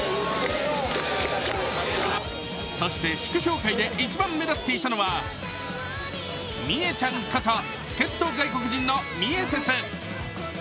そして、祝勝会で一番目立っていたのはミエちゃんこと、助っと外国人のミエセス。